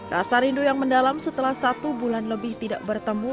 rasa rindu yang mendalam setelah satu bulan lebih tidak bertemu